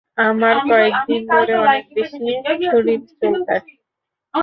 আমার কয়েকদিন ধরে অনেক বেশি শরীর চুলকায়।